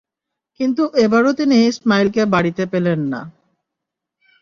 কিন্তু এবারও তিনি ইসমাঈলকে বাড়িতে পেলেন না।